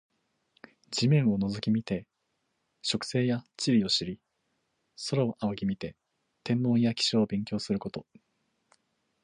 地面を覗き見て植生や地理を知り、空を仰ぎ見て天文や気象を勉強すること。